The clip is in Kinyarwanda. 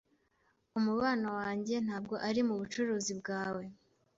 Umubano wanjye na ntabwo ari mubucuruzi bwawe.